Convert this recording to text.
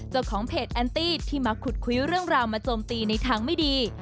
เจ้าของเพจแอนตี้ที่มาขุดคุยเรื่องราวมาโจมตีในทางไม่ดี